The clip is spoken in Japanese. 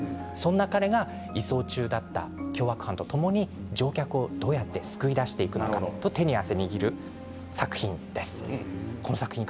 その彼が移送中だった凶悪犯とともに乗客をどうやって救い出していくのか手に汗握る作品です。